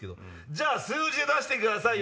じゃあ数字で出してください